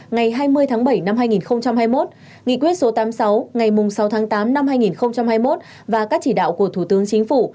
ngày hai mươi tháng bảy năm hai nghìn hai mươi một nghị quyết số tám mươi sáu ngày sáu tháng tám năm hai nghìn hai mươi một và các chỉ đạo của thủ tướng chính phủ